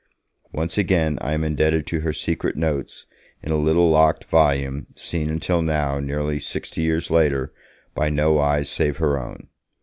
Once again I am indebted to her secret notes, in a little locked volume, seen until now, nearly sixty years later, by no eye save her own.